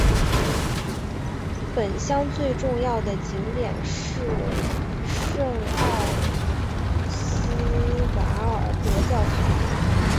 本乡最重要的景点是圣奥斯瓦尔德教堂。